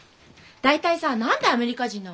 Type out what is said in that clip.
大体さ何でアメリカ人なわけ？